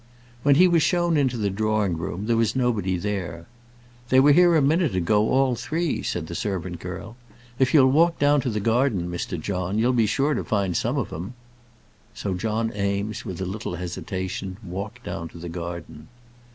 When he was shown into the drawing room there was nobody there. "They were here a minute ago, all three," said the servant girl. "If you'll walk down the garden, Mr. John, you'll be sure to find some of 'em." So John Eames, with a little hesitation, walked down the garden.